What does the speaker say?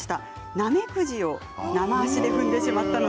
ナメクジをナマ足で踏んでしまいました。